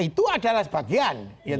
itu adalah sebagian